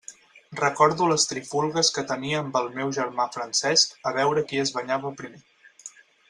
Recordo les trifulgues que tenia amb el meu germà Francesc a veure qui es banyava primer.